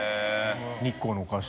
日光のお菓子。